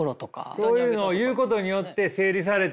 そういうのを言うことによって整理されて。